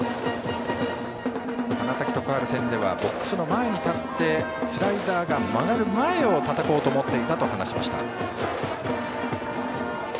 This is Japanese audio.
花咲徳栄戦ではボックスの前に立ってスライダーが曲がる前をたたこうと思っていたと話しました。